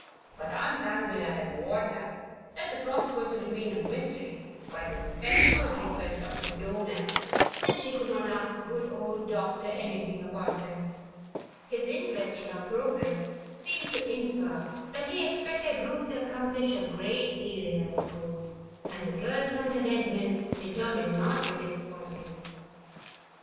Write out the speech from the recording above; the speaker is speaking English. But Aunt Alvirah had warned her that the frocks were to remain a mystery by the special request of the donor, and she could not ask the good old doctor anything about them. His interest in her progress seemed to infer that he expected Ruth to accomplish a great deal in her school, and the girl from the Red Mill determined not to disappoint him.